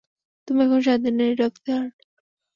তুমি এখন স্বাধীন নারী, রক্সি হার্ট।